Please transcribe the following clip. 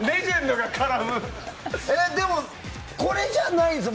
でもこれじゃないですよ